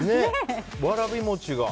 わらび餅が。